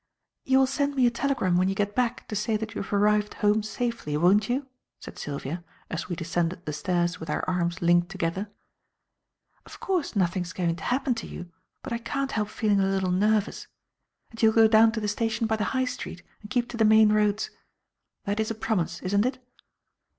"You will send me a telegram when you get back, to say that you have arrived home safely, won't you," said Sylvia, as we descended the stairs with our arms linked together. "Of course nothing is going to happen to you, but I can't help feeling a little nervous. And you'll go down to the station by the High Street, and keep to the main roads. That is a promise, isn't it?"